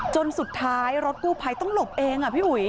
จนสุดท้ายรถกู้ไพรต้องหลบเอง